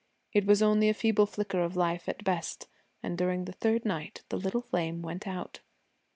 It was only a feeble flicker of life at best, and during the third night the little flame went out.